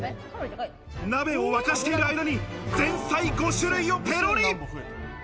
鍋を沸かしている間に前菜５種類をペロリ。